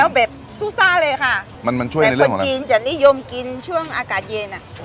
กินแล้วแบบซุซ่าเลยค่ะมันมันช่วยในเรื่องของเราแต่คนจีนจะนิยมกินช่วงอากาศเย็นอ่ะ